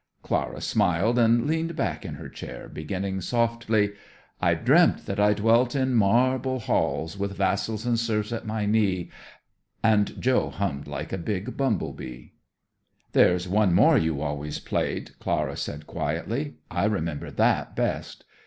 Clara smiled and leaned back in her chair, beginning softly: "I dreamt that I dwelt in ma a arble halls, With vassals and serfs at my knee," and Joe hummed like a big bumble bee. "There's one more you always played," Clara said quietly; "I remember that best."